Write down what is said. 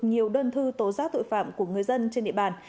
nhiều đơn thư tố giác tội phạm của người dân trên địa bàn